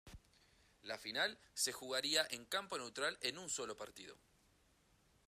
La final se jugaría en campo neutral en un solo partido.